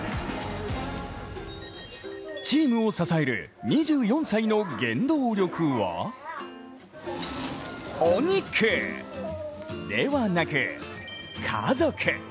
チームを支える２４歳の原動力はお肉！ではなく、家族。